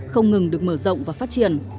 không ngừng được mở rộng và phát triển